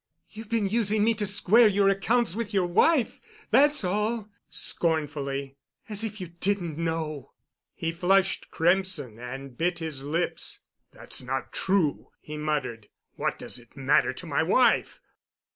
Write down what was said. "You've been using me to square your accounts with your wife—that's all," scornfully. "As if you didn't know." He flushed crimson and bit his lips. "That's not true," he muttered. "What does it matter to my wife?